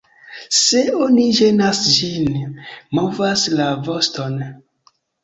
Se oni ĝenas ĝin, movas la voston.